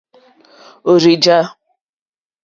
Òrzì jǎ.